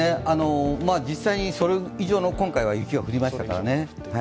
実際にそれ以上の雪が今回は降りましたからね。